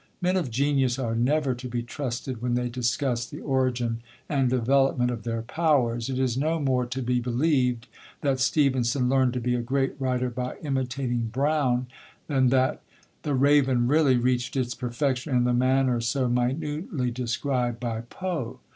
Men of genius are never to be trusted when they discuss the origin and development of their powers; it is no more to be believed that Stevenson learned to be a great writer by imitating Browne, than that The Raven really reached its perfection in the manner so minutely described by Poe.